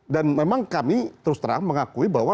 dan memang kami terus terang mengakui bahwa